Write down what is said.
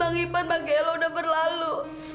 bang ipan bagi ella udah berlalu